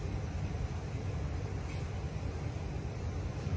สวัสดีครับ